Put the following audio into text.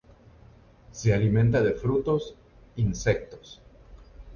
Se alimenta de frutos, insectos.